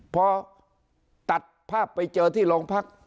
พอตัดภาพไปเจอที่โรงพัก